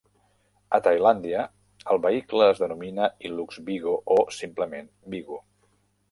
A Tailàndia, el vehicle es denomina Hilux Vigo o simplement Vigo.